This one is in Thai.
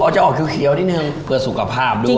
จะออกเขียวนิดนึงเพื่อสุขภาพด้วย